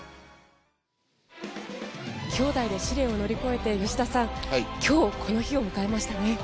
兄妹で試練を乗り越えて吉田さん、今日この日を迎えましたね。